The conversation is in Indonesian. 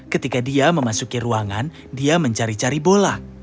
ketika dia memasuki ruangan dia mencari cari bola